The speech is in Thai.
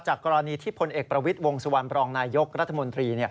จากกรณีที่พลเอกประวิดวงสวรรค์ปรองนายยกรัฐมนตรี